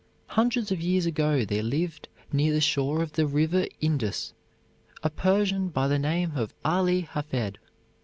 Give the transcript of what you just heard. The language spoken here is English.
Hundreds of years ago there lived near the shore of the river Indus a Persian by the name of Ali Hafed.